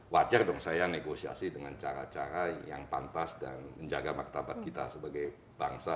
wajar dong saya negosiasi dengan cara cara yang pantas dan menjaga martabat kita sebagai bangsa